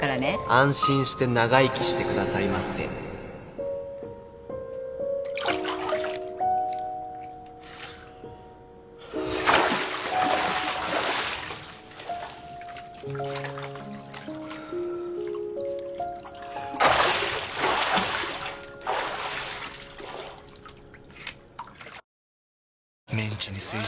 安心して長生きしてくださいませ推せる！！